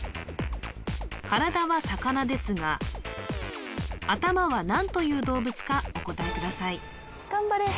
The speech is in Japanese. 体は魚ですが頭は何という動物かお答えください